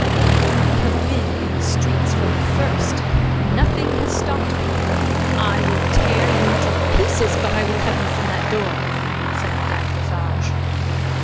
"I have been in the streets from the first, nothing has stopped me, I will tear you to pieces, but I will have you from that door," said Madame Defarge.